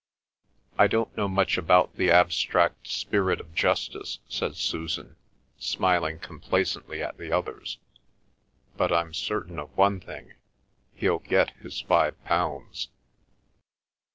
"I don't know much about the abstract spirit of justice," said Susan, smiling complacently at the others, "but I'm certain of one thing—he'll get his five pounds!"